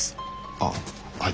ああはい。